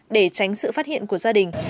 để tránh sự phát hiện của gia đình